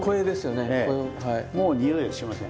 もうにおいはしません。